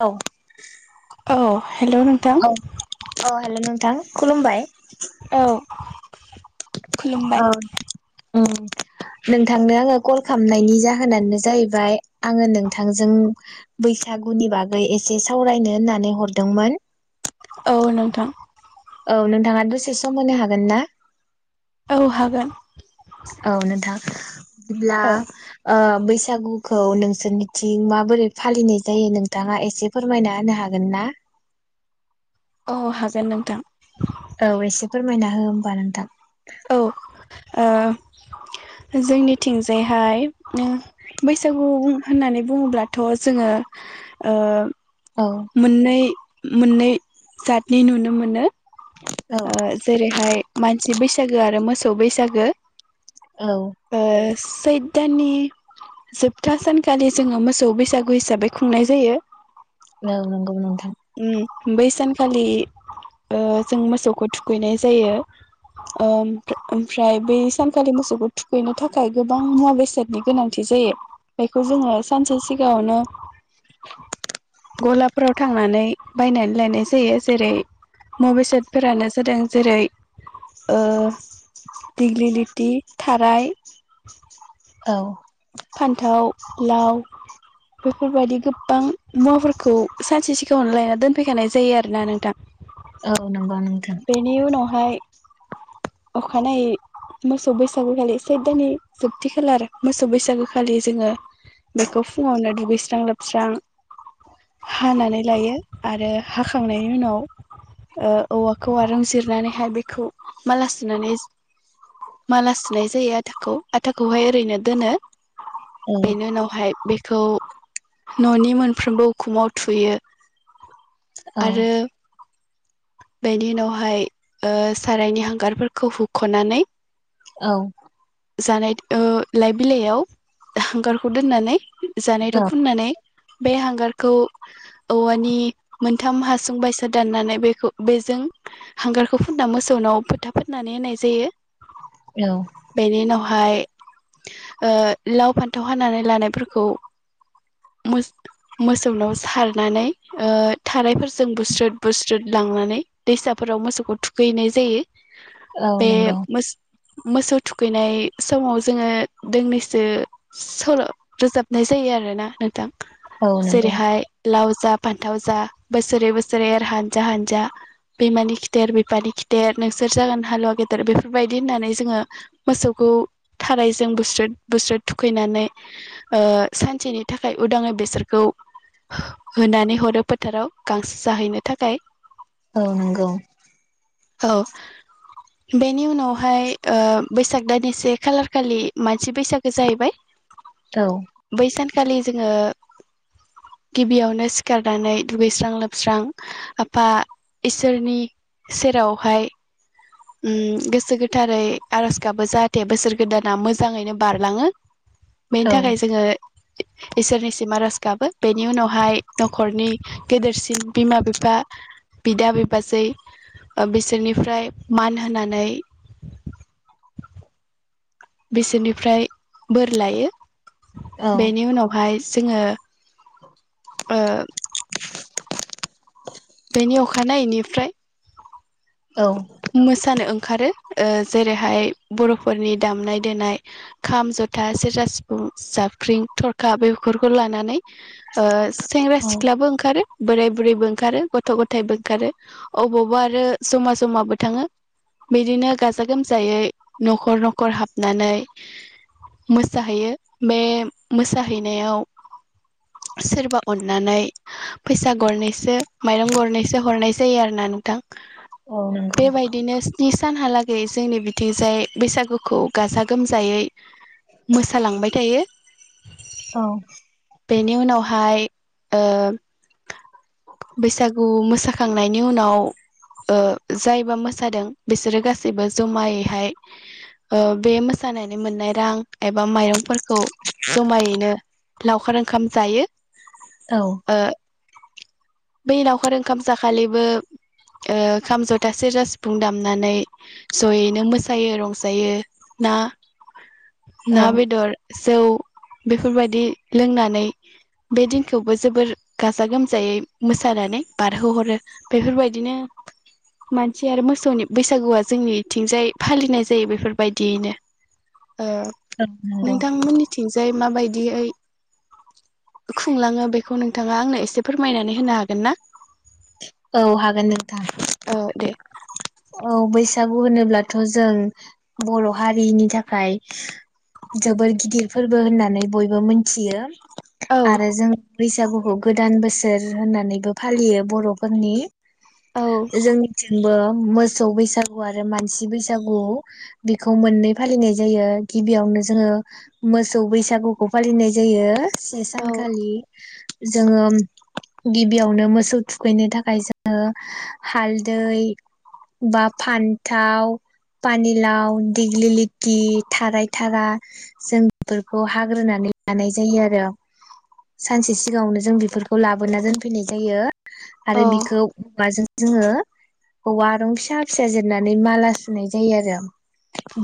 औ औ हेल' नोंथां औ औ हेल' नों थां खुलुमबाय औ खुलुमबाय ओ नोंथांनो आङो कल खालामनायनि जाहोनानो जाहैबाय आङो नोंथांजों बैसागुनि बागै एसे सावरायनो होननानै हरदोंमोन। औ नोंथां औ नोंथाङा दसे सम होनो हागोन ना? औ हागोन। औ [inaudible] बिदिब्ला ओ ओ बैसागुखौ नोंसोरनिथिं माबोरै फालिनाय जायो नोंथाङा एसे फोरमायना होनो हागोनना? औ हागोन नोंथां। औ एसे फोरमायना हो होमबा नोंथां। औ ओ जोंनिथिंजायहाय ओ बैसागु होननानै बुङोब्लाथ' जोङो ओ औ मोननै मोननै जातनि नुनो मोनो। औ ओ जेरैहाय मान सि बैसागो आरो मोसौ बैसागो। औ ओ सैद दाननि जोबथा सानखालि जोङो मोसौ बैसागु हिसाबै खुंनाय जायो। औ नोंगौ नोंथां। उम बै सानखालि ओ जों मोसौखौ थुखैनाय जायो ओम-ओमफ्राय बै सानखालि मोसौखौ थुखैनो थाखाय गोबां मुवा बेसादनि गोनांथि जायो बेखौ जोङो सानसे सिगाङावनो गलाफोराव थां नानै बायनानै लायनाय जायो जेरै मुवा बेसादफोरानो जादों जेरै ओ दिग्लि लिथि, थाराय औ फान्थाव, लाव बेफोरबायदि गोबां मुवाफोरखौ सानसे सिगाङावनो लायना दोनफैखानाय जायो आरोना नोंथां। औ नोंगौ नोंथां। बेनि [inaudible] अखानायै मोसौ बैसागु खालि सैत दाननि जोबथि खालार मोसौ बैसागु दागो खालि जोङो बेखौ फुङावनो दुगै स्रां लोबस्रां हानानै लायो आरो हाखांनायनि उनाव ओ औवाखौ जिरनानैहाय बेखौ माला सुनानै माला सुनाय जायो आथाखौ आथाखौहाय ओरैनो दोनो। औ बेनि उनावहाय बे खौ न'नि मोनफ्रोमबो उखुमाव थुयो। औ। आरो बेनि उनावहाय ओ सारायनि हांगारफोरखौ हुखनानै औ। जानाय ओ लाइ बिलाइयाव हांगारखौ दोननानै जानाय औ थाव फुननानै बे हांगारखौ औवानि मोनथाम हासुं बायसा दाननानै बेखौ बेजों हांगारखौ फुनना मोसौनाव फोथा फोननानै होनाय जायो। औ बेनि उनाव हाय ओ लाव फान्थाव हानानै लानायफोरखौ मोस-मोसौनाव सारनानै ओ थारायफोरजों बुस्रोद बुस्रोद लांनानै दैसाफोराव मोसौखौ थुखैहैनाय जायो। औ बे नोंगौ। मोसौ थुखैनाय समाव जोङो दोंनै सो सल' रोजाबनाय जायो आरोना नोंथां। औ नंगौ जेरैहाय लाव जा फान्थाव जा बोसोरै बोसोरै एर हानजा हानजा बिमानि खिथेर बिफानि खिथेर नोंसोर जागोन हालुवा गेदेर बेफोरबायदि होननानै जोङो मोसौखौ थारायजों बुस्रोद बुस्रोद थुखैनानै ओ सानसेनि थाखाय उदाङै बेसोरखौ हो-हो-होनानै हरो फोथाराव गांसो जाहैनो थाखाय। औ नोंगौ। औ बेनि उनावहाय ओ बैसाग दाननि से खालार खालि मनसि बैसागो जाहैबाय औ बै सानखालि जोङो गिबियावनो सिखारनानै दुगैस्रां लोबस्रां आफा इसोरनि सेरावहाय उम गोसो गो थारै आर'ज गाबो जाहाथे बोसोर गोदाना मोजाङैनो बारलाङो। बेनि औ थाखाय जोङो इसोरनिसिम आर'ज गाबो बेनि उनावहाय नखरनि गेदेरसिन बिमा बिफा बिदा बिबाजै ओ बिसोरनिफ्राय मान होनानै। बिसोरनिफ्राय बोर लायो। औ बेनि उनावहाय जोङो ओ बेनि अखानायैनिफ्राय औ। मोसानो ओंखारो ओ जेरैहाय बरफोरनि दामनाय देनाय खाम जथा सेरजा सिफुं जाबख्रिं थरखा बेफोरखौ लानानै। ओ सेंग्रा औ सिख्लाबो ओंखारो बोराय बुरैबो ओंखारो गथ गथायबो ओंखारो अबावबा आरो जमा जमाबो थाङो बिदिनो गाजा-गोमजायै न'खर न'खर हाबनानै मोसाहैयो। बे मोसाहैनायाव सोरबा अननानै फैसा गरनैसो माइरं गरनैसो हरनाय जायो आरो ना नोंथां। औ नंगौ बेबायदिनो स्नि सानहालागै जोंनि बिथिजाय बैसागुखौ गाजा गोमजायै मोसालांबाय थायो। औ। बेनि उनावहाय ओ बैसागु मोसाखांनायनि उनाव जायबा मोसादों बिसोरो गासैबो जमायैहाय ओ बे मोसानानै मोननाय रां एबा माइरंफोर औ जमायैनो लावखार ओंखाम जायो औ। ओ बै लावखार ओंखाम जाखालिबो ओ खाम ज [unintelligible] सेरजा सिफुं दामनानै ज'यैनो मोसायो रंजायो ना? औ ना बेदर। जौ बेफोरबायदि लोंनानै बे दिनखौबो जोबोर गाजा गोमजायै मोसानानै बारहोहरो बेफोरबायदिनो मानसि आरो मोसौनि बैसागुआ जोंनि इथिंजाय फालिनाय जायो बेफोरबायदियैनो। ओ नंगौ नोंथांमोननिथिंजाय माबाय दियै खुंलाङो बेखौ नोंथाङा आंनो एसे फोरमायनानै होनो हागोन ना? औ हागोन नोंथां। औ दे। औ बैसागु होनोब्लाथ' जों बर' हारिनि थाखाय जोबोर गिदिर फोरबो होननानै बयबो मोनथियो। औ आरो जों बैसागुखौ गोदान बोसोर होननानैबो फालियो बर'फोरनि औ जों मिथि बो मोसौ बैसागु आरो मानसि बैसागु बेखौ मोननै फालिनाय जायो गिबियावनो जोङो मोसौ बैसागुखौ फालिनाय जायो। से औ सानखालि जोङो गिबियावनो मोसौ थुखैनो थाखाय जोङो हालदै बा फान्थाव, पानिलाव, दिग्लि लिटि, थाराय थारा जों बेफोरखौ हाग्रोनानै लानाय जायो आरो सानसे सिगाङावनो जों बेफोरखौ लाबोना दोनफैनाय जायो। आरो औ बिखौ [unintelligible] जों जोङो औवारं फिसा फिसा जिरनानै माला सुनाय जायो आरो।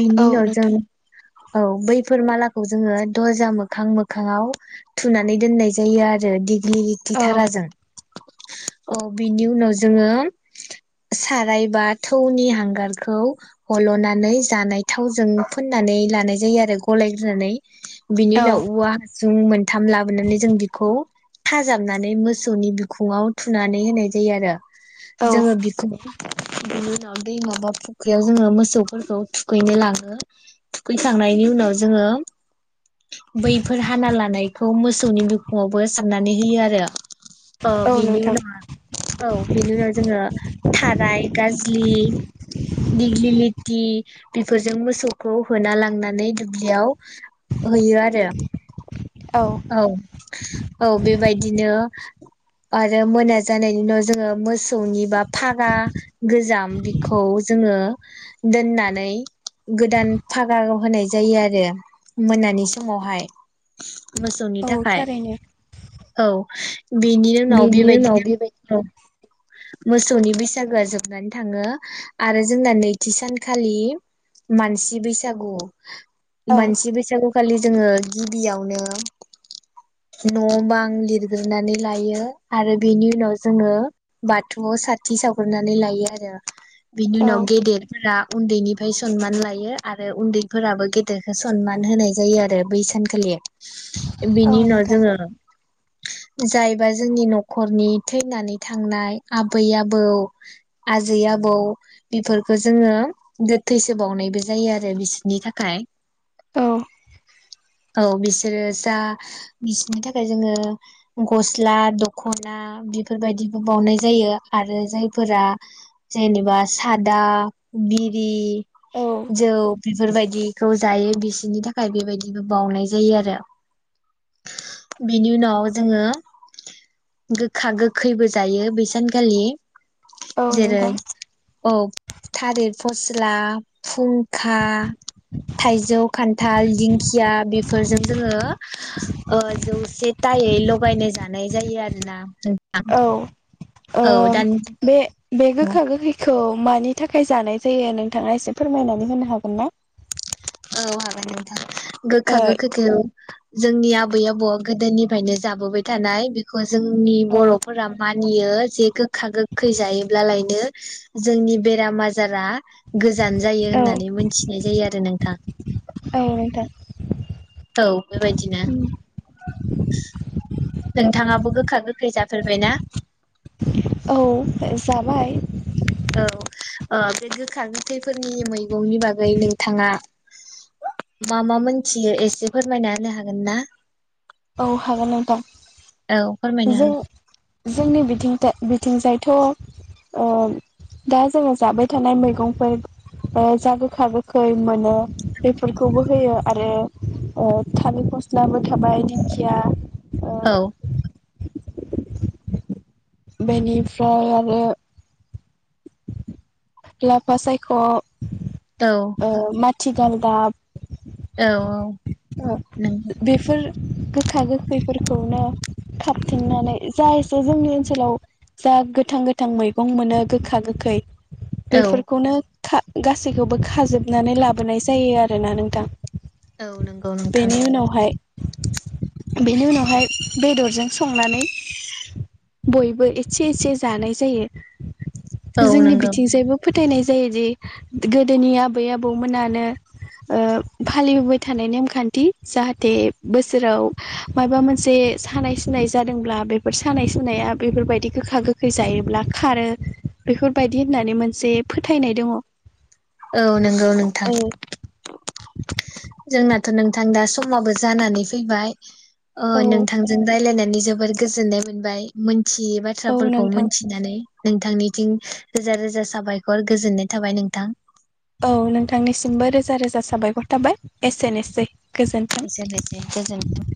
बिनि औ उनाव जों नोंथां औ बैफोर मालाखौ जोङो दरजा मोखां मोखाङाव थुनानै दोननाय जायो आरो दि [unintelligible] औ थाराजों। औ बिनि उनाव जोङो सारायबा थौनि हांगारखौ हल'नानै जानाय थावजों फोननानै लानाय जायो आरो गलायग्रोनानै। बिनि औ उनाव औवा हासुं मोनथाम लाबोनानै जों बिखौ खाजाबनानै मोसौनि बिखुङाव थुनानै होनाय जायो आरो। औ जोङो बि [inaudible] [unintelligible] दैमा बा फुख्रियाव जोङो मोसौफोरखौ थुखैनो लाङो थुखैखांनायनि उनाव जोङो बैफोर हाना लानायखौ मोसौनि बिखुङावबो सा नानै होयो आरो। औ बिनि उनाव औ बिनि उनाव जोङो थाराय गाज्लि दिग्लि लिटि बेफोरजों मोसौखौ होना लांनानै दुब्लियाव होयो आरो। औ औ बेबायदिनो आरो मोना जानायनि उनाव जोङो मोसौनि बा फागा गोजाम बेखौ जोङो दोननानै गोदान फागा होनाय जायो आरो मोनानि समावहाय। मोसौनि औ थाखाय थारैनो औ बेनि उनाव बेनि उनाव बेबाय बेबायदिनो औ मोस सौनि बैसागोआ जोबनानै थाङो आरो जोंना नैथि सानखालि मानसि बैसागु औ मानसि बैसागुखालि जोङो गिबियावनो न' बां लिरग्रोनानै लायो आरो बेनि उनाव जोङो बाथौ स थि सावग्रोनानै लायो आरो बिनि औ उनाव गेदेरफोरा उन्दैनिफ्राय सनमान लायो आरो उन्दैफोराबो गेदेरखौ सनमान होनाय जायो आरो बै सानखालि। औ बिनि उनाव नोंथां जोङो जायबा जोंनि नखरनि थैनानै थांनाय आबै आब बौ आजै आबौ बेफोरखो जोङो गोथैसोबावनायबो जायो आरो बिसोरनि थाखाय। औ। औ बिसोरो जा बिसोरनि थाखाय जोङो गस्ला दख'ना बेफोरबायदिबो बावनाय जायो। आरो जायफोरा जेनेबा सादा बिरि औ जौ बेफोरबायदि खौ जायो बिसोरनि थाखाय बेबायदिबो बावउनाय जायो आरो बेनि उनाव जोङो गोखा गोखैबो जायो बैसान खालि। औ जेरै नोंथां औ थालिर फस्ला फुंखा थाइजौ खान्थाल दिंखिया बेफोरजों जोङो ओ जौसे तायै लगायनाय जानाय जायो आरोना। औ [unintelligible] ओ दानि बे बे गोखा गोखैखौ औ मानि थाखाय जानाय जायो नोंथाङा एसे फोरमायनानै होनो हागोन ना? औ हागोन नोंथां। गोखा ओ गोखैखौ जोंनि आबै आबौआ गोदोनिफ्रायनो जाबोबाय थानाय बेखौ जोंनि औ बरफोरा मानि बियो जे गोखा गोखै जायोब्लालायनो जोंनि बेराम आजारा गोजान जायो औ होननानै मोनथिनाय जायो आरो था औ नोंथां औ बेबायदिनो। [inaudible] नोंथाङाबो गोखा गोखै जाफेरबायना? औ जाबाय औ ओ बे गोखा गोथैफोरनि मैं मैगंनि बागै नोंथाङा। मा मा मोनथियो एसे फोरमायना होनो हागोन ना? औ हागोन नोंथां औ फोरमायना हो जों-जोंनि बिथिंथा बि थिंजायथ' ओ दा जोङो जाबाय थानाय मैगंफोर ओ जा गोखा गोखै मोनो बेफोरखौबो होयो आरो थालिर फस्लाबो थाबाय खिया औ बेनिफ्राय आरो लाफा सायख' औ ओ मा थिगालदाब औ औ नंगौ [unintelligible] बेफोर गोखा गोखैफोरखौनो खाबथिंनानै जा एसे जोंनि ओनसोलाव जा गोथां गोथां मैगं मोनो गोखा गोखै औ बेफोरखौनो खा गासैखौबो खाजोबनानै लाबोनाय जायो आरोना नोंथां औ नोंगौ नोंथां बेनि उनावहाय बेनि उनावहाय बेदरजों संनानै बयबो एसे एसे जानाय जायो औ जोंनि नंगौ बिथिंजायबो फोथायनाय जायोदि गोदोनि आबै आबौमोनानो ओ फालिबाय थानाय नेमखान्थि जाहाथे बोसोराव मायबा मोनसे सानाय सुनाय जादोंब्ला बेफोर सानाय सुनाया बेफोरबायदि गोखा गोखै जायोब्ला खारो बेफोरबायदि होननानै मोनसे फोथायनाय दङ' औ नंगौ नोंथां औ जोंना थ' नोंथां दा समाबो जानानै फैबाय औ ओ नोंथांजों रायज्लायनानै जोबोर गोजोननाय मोनबाय मोन थियै औ बाथ्राफोरखौ नोंथां मिथिनानै नोंथांनिथिं रोजा रोजा साबायखर गोजोननाय थाबाय नोंथां। औ नोंथांनिसिमबो रोजा रोजा साबायखर थाबाय एसेनोसै गोजोन्थों। एसेनोसै गोजोनथों।